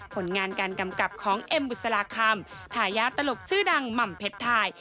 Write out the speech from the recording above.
ผลงานการกำกับของเอ็มบุษราคำทายาทตลกชื่อดังหม่ำเพชรไทย